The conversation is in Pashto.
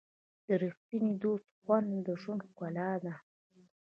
د ریښتیني دوست خوند د ژوند ښکلا ده.